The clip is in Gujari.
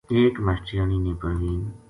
ایک ماشٹریانی نے پروین